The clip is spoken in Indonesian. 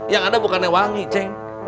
yang ada bukannya wangi ceng